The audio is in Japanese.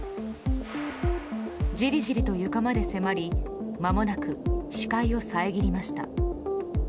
じりじりと床まで迫りまもなく視界を遮りました。